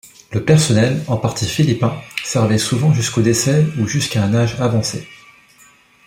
Le personnel, en partie philippin, servait souvent jusqu'au décès ou jusqu'à un âge avancé.